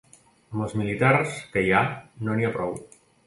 Amb els militars que hi ha no n’hi ha prou.